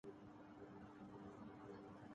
میں ایک مہینہ سے اردو سیکھرہاہوں